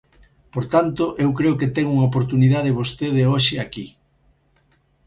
Por tanto, eu creo que ten unha oportunidade vostede hoxe aquí.